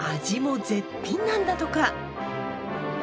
味も絶品なんだとか。